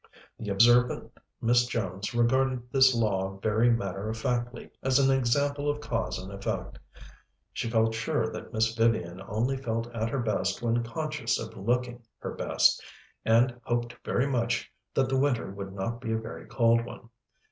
The observant Miss Jones regarded this law very matter of factly as an example of cause and effect. She felt sure that Miss Vivian only felt at her best when conscious of looking her best, and hoped very much that the winter would not be a very cold one.